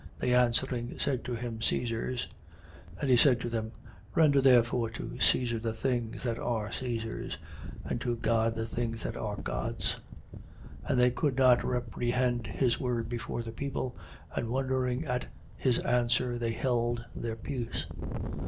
They answering, said to him: Caesar's. 20:25. And he said to them: Render therefore to Caesar the things, that are Caesar's: and to God the things that are God's. 20:26. And they could not reprehend his word before the people: and wondering at his answer, they held their peace.